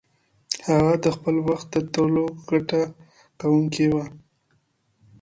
هغه د خپل وخت تر ټولو ګټه کوونکې وه.